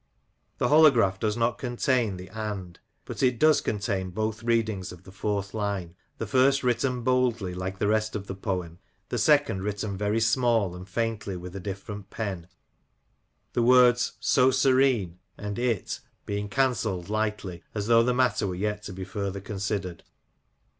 The holograph does not contain the and , but it does contain both readings of the fourth line ; the first written boldly, like the rest of the poem, the second written very small and faintly with a different pen, the words so serene and it being cancelled lightly, as though the matter were yet to be further considered.